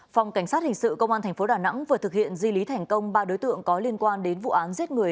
phòng cảnh sát hình sự công an tp đà nẵng vừa thực hiện di lý thành công ba đối tượng có liên quan đến vụ án giết người